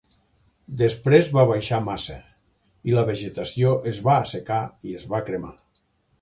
Després va baixar massa, i la vegetació es va assecar i es va cremar.